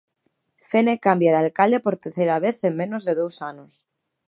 Fene cambia de alcalde por terceira vez en menos de dous anos.